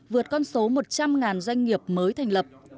vượt con số một trăm linh doanh nghiệp mới thành lập